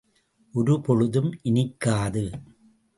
ஒரு பொழுதும் இனிக்காது.